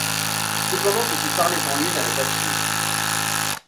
Cependant ce qui parlait en lui n'avait pas fini.